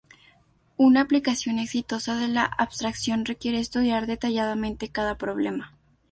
Una aplicación exitosa de la abstracción requiere estudiar detalladamente cada problema.